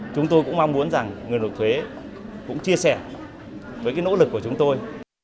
chúng tôi cũng mong muốn rằng người nộp thuế cũng chia sẻ với nỗ lực của chúng tôi